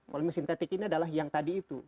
polimer sintetik ini adalah yang tadi itu